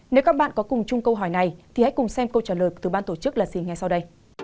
nếu các bạn có cùng chung câu hỏi này thì hãy cùng xem câu trả lời từ ban tổ chức là gì ngay sau đây